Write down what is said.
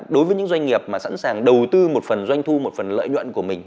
đối với những doanh nghiệp mà sẵn sàng đầu tư một phần doanh thu một phần lợi nhuận của mình